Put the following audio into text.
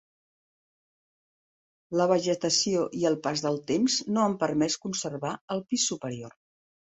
La vegetació i el pas del temps no han permès conservar el pis superior.